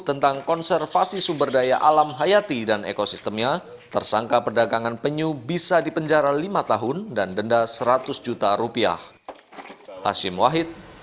tentang konservasi sumber daya alam hayati dan ekosistemnya tersangka perdagangan penyu bisa dipenjara lima tahun dan denda seratus juta rupiah